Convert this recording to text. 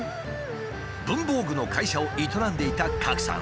文房具の会社を営んでいた郭さん。